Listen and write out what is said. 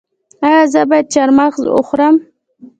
ایا زه باید چهارمغز وخورم؟